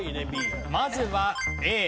まずはＡ。